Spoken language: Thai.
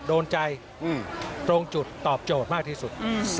โดนใจตรงจุดตอบโจทย์มากที่สุด